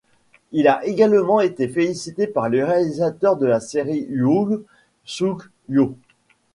Il a également été félicité par le réalisateur de la série, Yoon Suk-ho.